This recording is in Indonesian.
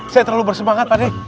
saya terlalu bersemangat pak ini